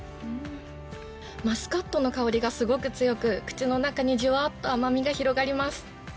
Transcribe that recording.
マスカットの香りがすごく強く、口の中にじゅわっと甘みが広がります。